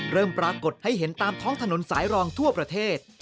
ปรากฏให้เห็นตามท้องถนนสายรองทั่วประเทศ